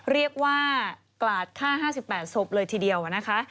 เรียกว่ากราดฆ่า๕๘ศพเลยทีเดียวนะคะ